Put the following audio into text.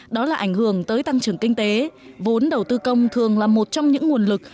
đó là ảnh hưởng tới tăng trưởng kinh tế vốn đầu tư công thường là một trong những nguồn lực